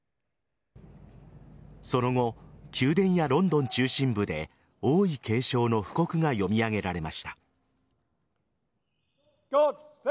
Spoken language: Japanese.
その後、宮殿やロンドン中心部で王位継承の布告が読み上げられました。